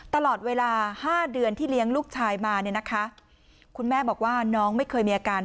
ตลอดเวลา๕เดือนที่เลี้ยงลูกชายมาเนี่ยนะคะคุณแม่บอกว่าน้องไม่เคยมีอาการ